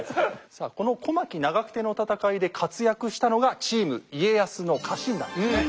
さあこの小牧・長久手の戦いで活躍したのがチーム家康の家臣団ですね。